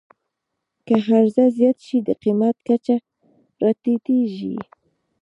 که عرضه زیاته شي، د قیمت کچه راټیټېږي.